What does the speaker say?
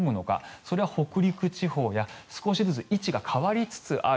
それは北陸地方や少しずつ位置が変わりつつある。